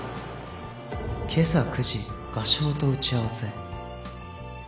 今朝９時画商と打ち合わせ